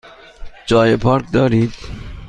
جای پارک دارید؟